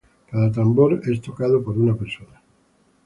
Cada tambor es tocado por una persona.